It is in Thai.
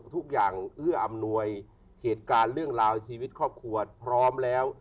เอื้ออำนวยเหตุการณ์เรื่องราวชีวิตครอบครัวพร้อมแล้ว